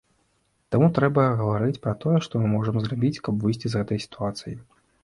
Таму трэба гаварыць пра тое, што мы можам зрабіць, каб выйсці з гэтай сітуацыі.